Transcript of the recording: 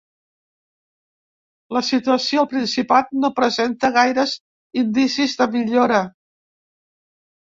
La situació al Principat no presenta gaires indicis de millora.